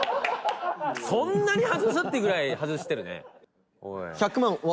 そんなに外す？っていうぐらい外してるね。